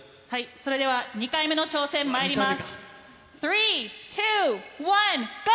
それでは２回目の挑戦まいります。